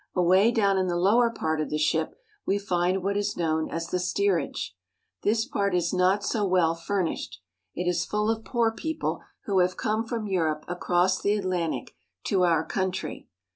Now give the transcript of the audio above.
Away down in the lower part of the ship we find what is known as the steerage. This part is not so well furnished. It is full of poor people who have come from Europe across the Atlantic to our country.